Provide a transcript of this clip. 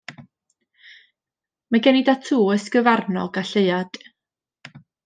Mae gen i datŵ o ysgyfarnog a lleuad.